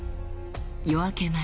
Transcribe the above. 夜明け前